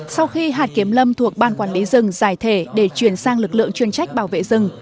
sau khi hạt kiểm lâm thuộc ban quản lý rừng giải thể để chuyển sang lực lượng chuyên trách bảo vệ rừng